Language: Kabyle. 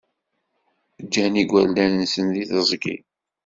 Jjan igerdan-nsen deg teẓgi.